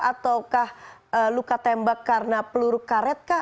atau kah luka tembak karena peluru karet kah